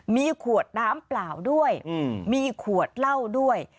มีขวดน้ำเปล่าด้วยมีขวดเหล้าด้วย